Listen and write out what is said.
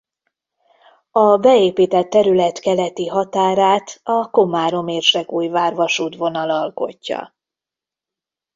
A beépített terület keleti határát a Komárom-Érsekújvár vasútvonal alkotja.